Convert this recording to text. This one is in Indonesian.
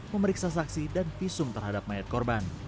memeriksa saksi dan visum terhadap mayat korban